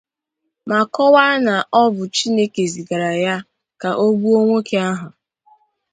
ma kọwaa na ọ bụ Chineke zigara ya ka o gbuo nwoke ahụ